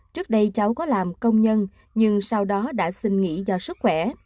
trước đây cháu có làm công nhân nhưng sau đó đã xin nghỉ do sức khỏe